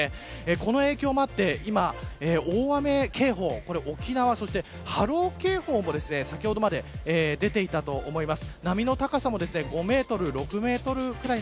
この影響もあって大雨警報が沖縄と波浪警報も先ほどまで出ていたといいます。